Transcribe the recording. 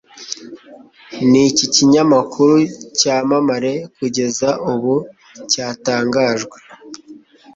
Niki Kinyamakuru Cyamamare Kugeza ubu Cyatangajwe